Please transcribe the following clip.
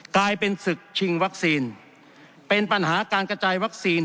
กลายเป็นศึกชิงวัคซีนเป็นปัญหาการกระจายวัคซีน